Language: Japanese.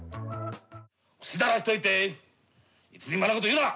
ふしだらしといて一人前なこと言うな！